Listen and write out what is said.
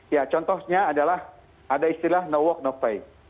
ya contohnya adalah ada istilah no work no face